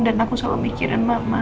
dan aku selalu mikirin mama